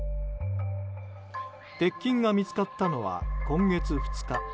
鉄筋が見つかったのは今月２日。